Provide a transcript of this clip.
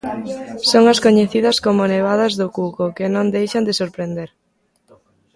Son as coñecidas como nevadas do cuco, que non deixan de sorprender.